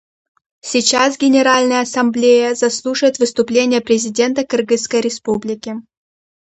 Сейчас Генеральная Ассамблея заслушает выступление президента Кыргызской Республики.